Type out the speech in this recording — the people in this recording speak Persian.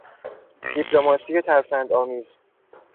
دیپلماسی ترفندآمیز